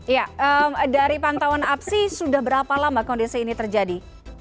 ya dari pantauan apsi sudah berapa lama kondisi ini terjadi